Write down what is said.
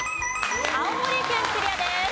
青森県クリアです。